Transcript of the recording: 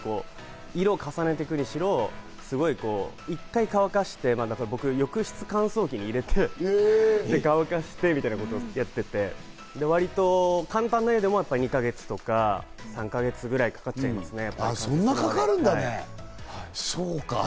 色を重ねていくにしろ、１回乾かして僕、浴室乾燥機に入れて乾かしてみたいなことをやっていて、割と簡単な画でも２か月とか３か月ぐらいかかっちゃいますね。